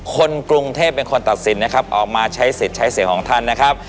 คนกรุงเทพเป็นคนตัดสินนะครับออกมาใช้สิทธิ์ใช้เสียงของท่านนะครับ